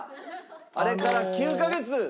あれから９カ月。